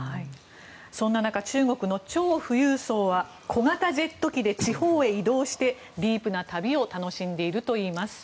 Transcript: そんな中中国の超富裕層は小型ジェット機で地方へ移動してディープな旅を楽しんでいるといいます。